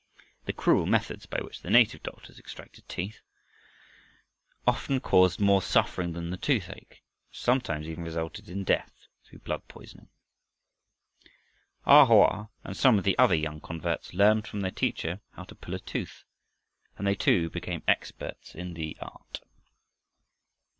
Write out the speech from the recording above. The cruel methods by which the native doctors extracted teeth often caused more suffering than the toothache, and sometimes even resulted in death through blood poisoning. A Hoa and some of the other young converts learned from their teacher how to pull a tooth, and they, too, became experts in the art.